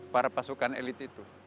para pasukan elit itu